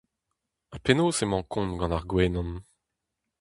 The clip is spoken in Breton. Ha penaos emañ kont gant ar gwenan ?